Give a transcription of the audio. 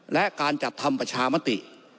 และการจัดทำประชามติ